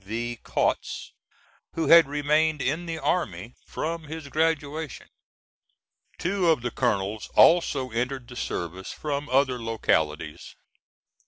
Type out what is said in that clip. V. Kautz, who had remained in the army from his graduation. Two of the colonels also entered the service from other localities.